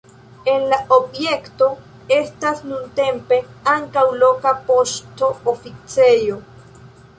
En la objekto estas nuntempe ankaŭ loka poŝtoficejo.